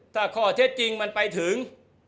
ถ้าข้อเท็จจริงมันไปถึง